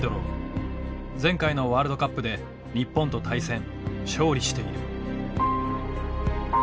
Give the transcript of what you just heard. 前回のワールドカップで日本と対戦勝利している。